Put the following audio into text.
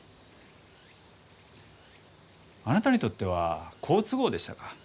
あなたにとっては好都合でしたか？